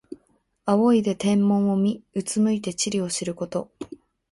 仰いで天文を見、うつむいて地理を知ること。